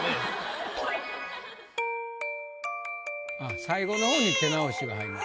あっ最後の方に手直しが入る。